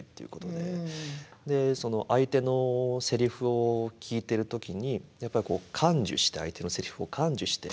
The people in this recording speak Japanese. でその相手のセリフを聞いてる時にやっぱりこう感受したい相手のセリフを感受して。